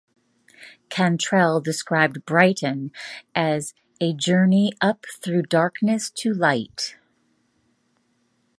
Cantrell described "Brighten" as "a journey up through darkness to light".